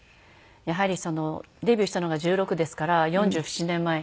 やはりそのデビューしたのが１６ですから４７年前。